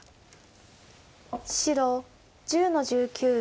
白１０の十九。